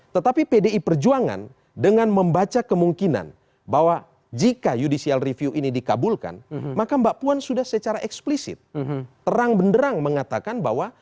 tetapi pdi perjuangan dengan membaca kemungkinan bahwa jika judicial review ini dikabulkan maka mbak puan sudah secara eksplisit terang benderang mengatakan bahwa